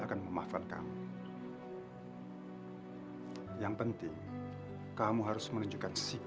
apapun yang terjadi